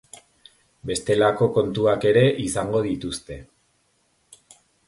Bestelako kontuak ere izango dituzte.